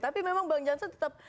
tapi memang bang jansen tetap